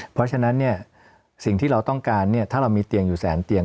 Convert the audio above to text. เพราะฉะนั้นสิ่งที่เราต้องการถ้าเรามีเตียงอยู่แสนเตียง